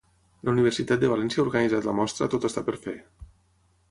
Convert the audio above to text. La Universitat de València ha organitzat la mostra Tot està per fer.